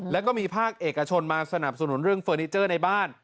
แล้วก็มีภาคเอกชนมาสนับสนุนเรื่องเฟอร์นิเจอร์ในบ้าน